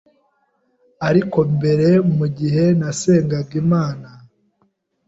Ariko mbere mu gihe nasengaga Imana